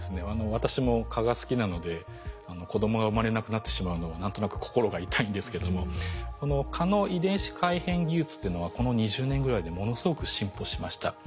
私も蚊が好きなので子どもが生まれなくなってしまうのは何となく心が痛いんですけどもこの蚊の遺伝子改変技術というのはこの２０年ぐらいでものすごく進歩しました。